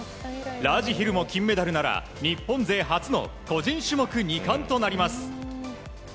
ラージヒルも金メダルなら日本勢初の個人種目２冠となります。